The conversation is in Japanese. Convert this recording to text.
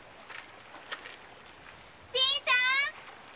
新さん